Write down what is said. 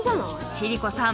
千里子さん。